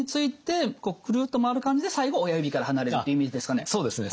こうクルッと回る感じで最後親指から離れるっていうイメージですかね。